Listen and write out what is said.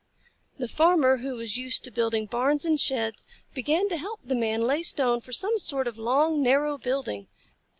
The Farmer, who was used to building barns and sheds, began to help the Man lay stone for some sort of long, narrow building.